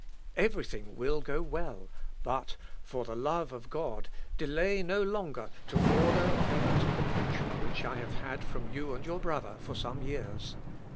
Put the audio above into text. "Every thing will go well, but, for the love of God, delay no longer to order payment of the pension which I have had from you and your brother for some years.